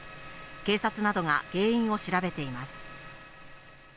警察などが原因を調べています。